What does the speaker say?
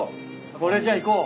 これじゃあいこう。